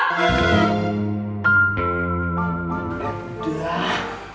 sampai yang pak komar yang harus tanggung jawab